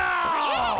えっ。